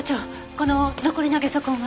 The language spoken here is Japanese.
この残りのゲソ痕は？